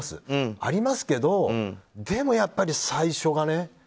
ありますけどでもやっぱり最初がね。